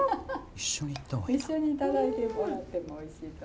一緒に頂いてもらってもおいしいと。